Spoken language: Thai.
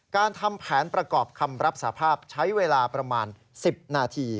การทำแผนประกอบคำรับสภาพใช้เวลาประมาณ๑๐นาที